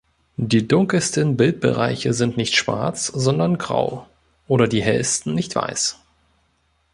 Die dunkelsten Bildbereiche sind nicht schwarz, sondern grau, oder die hellsten nicht weiß.